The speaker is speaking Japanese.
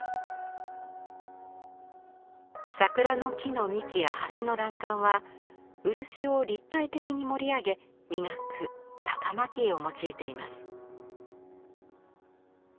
桜の木の幹や橋の欄干は漆を立体的に盛り上げ磨く「高蒔絵」を用いています。